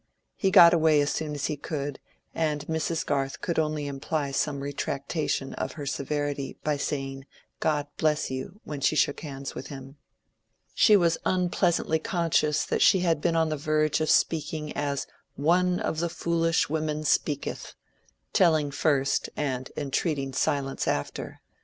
He got away as soon as he could, and Mrs. Garth could only imply some retractation of her severity by saying "God bless you" when she shook hands with him. She was unpleasantly conscious that she had been on the verge of speaking as "one of the foolish women speaketh"—telling first and entreating silence after.